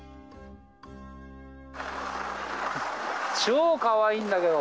超かわいいんだけど。